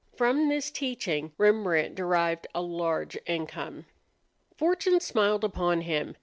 From this teaching Rembrandt derived a large income. Fortune smiled upon him.